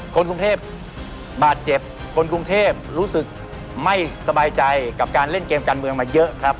คนกรุงเทพบาดเจ็บคนกรุงเทพรู้สึกไม่สบายใจกับการเล่นเกมการเมืองมาเยอะครับ